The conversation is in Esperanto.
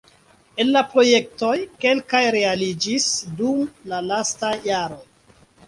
El la projektoj kelkaj realiĝis dum la lastaj jaroj.